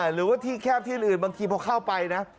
หรือว่าที่แคบที่อื่นบางทีพอเข้าไปนะ